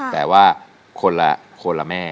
แต่ว่าคนละแม่